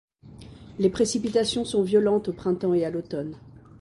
Les précipitations sont violentes au printemps et à l'automne.